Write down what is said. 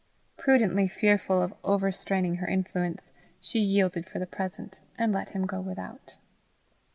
Prudently fearful of over straining her influence, she yielded for the present, and let him go without.